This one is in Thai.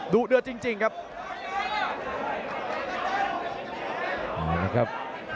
เดือดจริงครับ